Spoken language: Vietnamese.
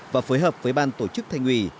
và phối hợp với ban tổ chức thành ủy